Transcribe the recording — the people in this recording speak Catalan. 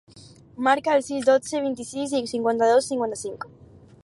Marca el sis, dotze, vint-i-sis, cinquanta-dos, cinquanta-cinc.